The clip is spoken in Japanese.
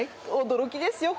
驚きですよ